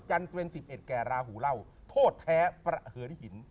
จันทร์๒๑แก่ราหูเหล้าโทษแท้เผริญหิน